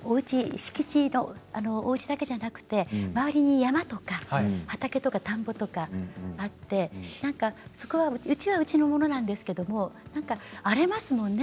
おうちだけじゃなくて周りに山とか畑とか田んぼとかうちはうちのものなんですけれど荒れますものね。